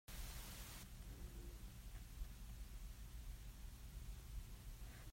Aho dah a si hnga?